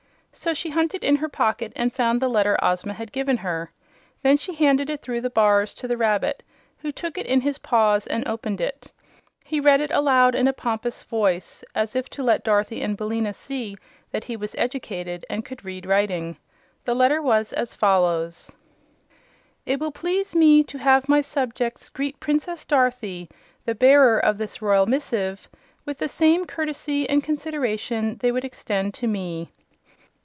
So she hunted in her pocket and found the letter Ozma had given her. Then she handed it through the bars to the rabbit, who took it in his paws and opened it. He read it aloud in a pompous voice, as if to let Dorothy and Billina see that he was educated and could read writing. The letter was as follows: "It will please me to have my subjects greet Princess Dorothy, the bearer of this royal missive, with the same courtesy and consideration they would extend to me."